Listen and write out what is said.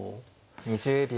２０秒。